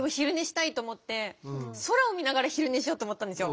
空を見ながら昼寝しようと思ったんですよ。